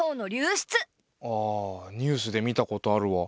ああニュースで見たことあるわ。